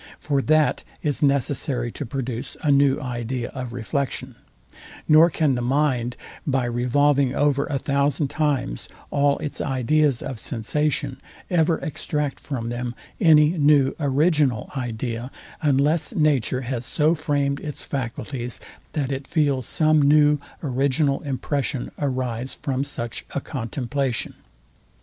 For that is necessary to produce a new idea of reflection, nor can the mind, by revolving over a thousand times all its ideas of sensation, ever extract from them any new original idea, unless nature has so framed its faculties, that it feels some new original impression arise from such a contemplation.